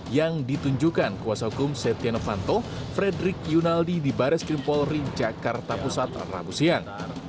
yang ditunjukkan kuasa hukum stiano vanto frederick yunaldi di baris krimpol rijakarta pusat rangusian